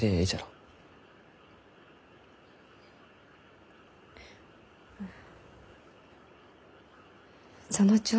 うん。